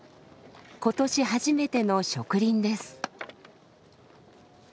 今年初めての植林です。